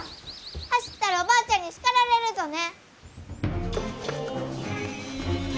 走ったらおばあちゃんに叱られるぞね！